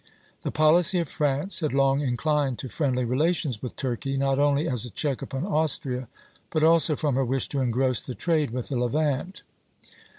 The policy of France had long inclined to friendly relations with Turkey, not only as a check upon Austria, but also from her wish to engross the trade with the Levant.